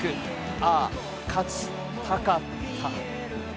ああ、勝ち、鷹った。